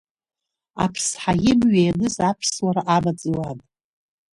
Аԥсҳа имҩа ианыз аԥсуара амаҵ иуан.